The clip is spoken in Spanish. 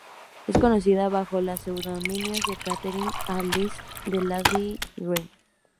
Es conocida bajo los seudónimos de Catherine A. Liszt y Lady Green.